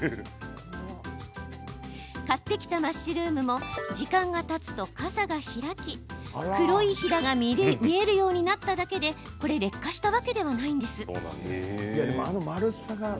買ってきたマッシュルームも時間がたつと傘が開き黒いヒダが見えるようになっただけで劣化したわけではないんです。